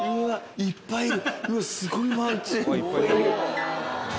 いっぱいいる。